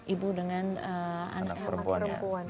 ibu dengan anak perempuan